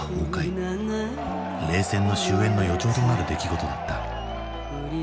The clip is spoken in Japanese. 冷戦の終焉の予兆となる出来事だった。